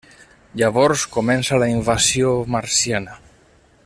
Llavors comença la invasió marciana.